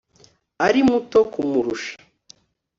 ari muto kumurusha